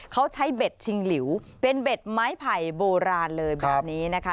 เขาใช้เบ็ดชิงหลิวเป็นเบ็ดไม้ไผ่โบราณเลยแบบนี้นะคะ